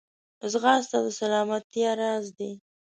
ځغاسته د سلامتیا راز دی